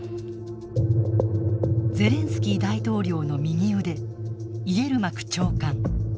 ゼレンスキー大統領の右腕イエルマク長官。